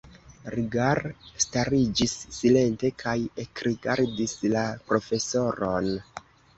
Rigar stariĝis silente kaj ekrigardis la profesoron.